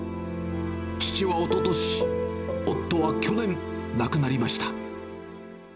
父はおととし、夫は去年、亡くなりました。